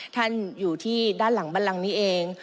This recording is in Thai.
ท่านอยู่ที่ด้านหลังบันลังนี้เอง